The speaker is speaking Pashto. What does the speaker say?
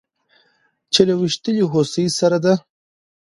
چې له ويشتلې هوسۍ سره د